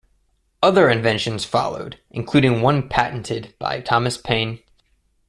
Other inventions followed, including one patented by Thomas Paine.